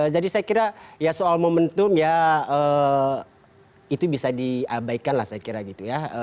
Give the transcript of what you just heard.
jadi saya kira ya soal momentum ya itu bisa diabaikan lah saya kira gitu ya